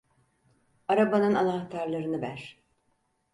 Arabanın anahtarlarını ver.